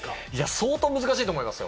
相当難しいと思いますよ。